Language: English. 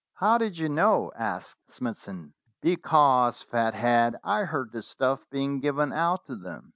"How did you know?" asked Smithson. "Because, Fathead, I heard the stuff being given out to them."